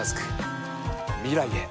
未来へ。